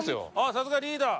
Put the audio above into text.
さすがリーダー！